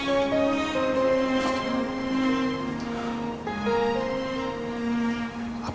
kami memang kakak adik